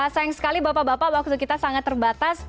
sayang sekali bapak bapak waktu kita sangat terbatas